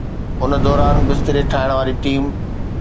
ان دوران، بستري ٺاهڻ واري ٽيم